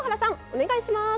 お願いします。